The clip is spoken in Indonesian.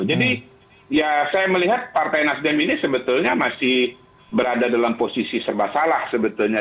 jadi ya saya melihat partai nasdem ini sebetulnya masih berada dalam posisi serba salah sebetulnya